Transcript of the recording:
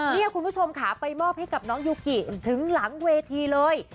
นี่คุณผู้ชมค่ะไปมอบให้กับน้องยูกิถึงหลังเวทีเลย